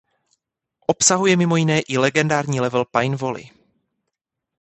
Obsahuje mimo jiné i legendární level "Pine Valley".